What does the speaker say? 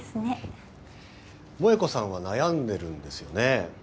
萠子さんは悩んでるんですよね？